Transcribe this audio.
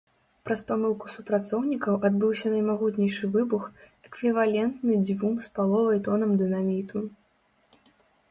Праз памылку супрацоўнікаў адбыўся наймагутнейшы выбух, эквівалентны дзвюм з паловай тонам дынаміту.